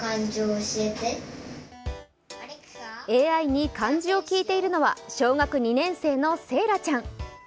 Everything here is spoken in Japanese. ＡＩに漢字を聞いているのは、小学２年生のせいらちゃん。